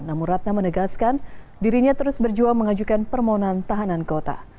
namun ratna menegaskan dirinya terus berjuang mengajukan permohonan tahanan kota